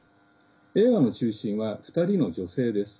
映画の中心は２人の女性です。